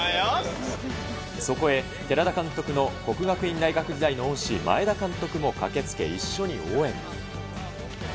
そこへ、寺田監督の國學院大学時代の恩師、前田監督も駆けつけ、一緒に応援。